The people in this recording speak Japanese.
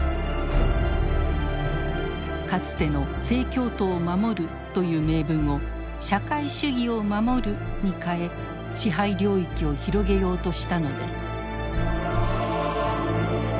かつての「正教徒を守る」という名分を「社会主義を守る」に変え支配領域を広げようとしたのです。